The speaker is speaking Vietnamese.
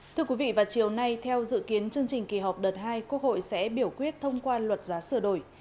thưa quý vị vào chiều nay theo dự kiến chương trình kỳ họp đợt hai quốc hội sẽ biểu quyết thông qua luật giá sửa đổi